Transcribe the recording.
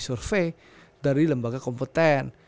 survei dari lembaga kompeten